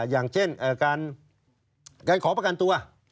อย่างเช่นการขอประกันตัว